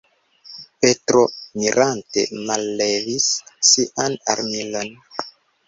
Petro mirante mallevis sian armilon.